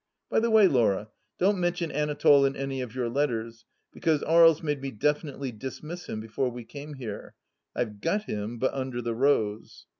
By the way, Laura, don't mention Anatole in any of your letters, because Aries made me definitely dismiss him before we came here. I've got him, but under the rose.